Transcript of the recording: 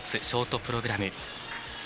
ショートプログラム。